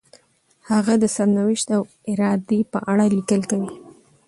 هغه د سرنوشت او ارادې په اړه لیکل کوي.